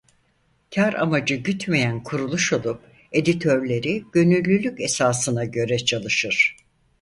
Kâr amacı gütmeyen kuruluş olup editörleri gönüllülük esasına göre çalışır.